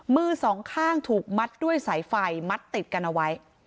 มือสองข้างถูกมัดด้วยสายไฟมัดติดกันเอาไว้